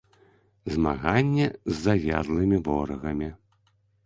Змаганне з заядлымі ворагамі.